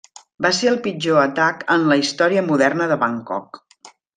Va ser el pitjor atac en la història moderna de Bangkok.